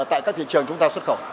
ở tại các thị trường chúng ta xuất khẩu